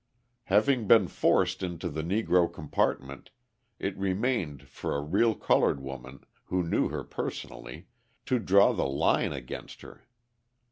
Having been forced into the Negro compartment, it remained for a real coloured woman, who knew her personally, to draw the line against her.